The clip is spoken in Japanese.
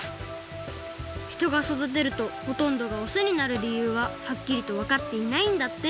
ひとが育てるとほとんどがオスになるりゆうははっきりとわかっていないんだって。